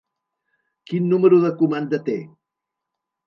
Quin número de comanda té?